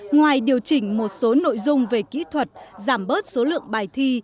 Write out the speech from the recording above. ngoài điều chỉnh một số nội dung về kỹ thuật giảm bớt số lượng bài thi